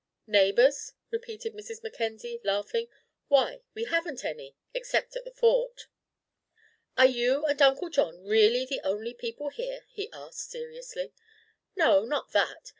"Neighbours?" repeated Mrs. Mackenzie, laughing; "why, we haven't any, except at the Fort." "Are you and Uncle John really the only people here?" he asked, seriously. "No, not that.